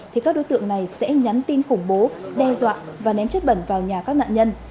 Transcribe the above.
thì các đối tượng này sẽ nhắn tin khủng bố đe dọa và ném chất bẩn vào nhà các nạn nhân